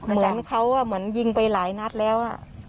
เหมือนเขาเหมือนยิงไปหลายนัดแล้ว